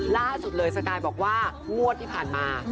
ล่าสุดเลยสกายบอกว่างวดที่ผ่านมา